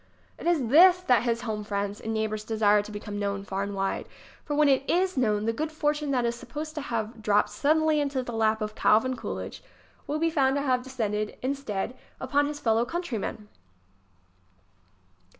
It is this that his home friends and neighbors de sire to become known far and wide. For, when it is known, the good fortune that is supposed to have dropped suddenly into the lap of Calvin Coolidge will be found to have descended, instead, upon his fellow countrymen